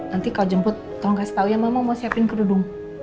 nanti kalau jemput tolong kasih tau ya mama mau siapin kerudung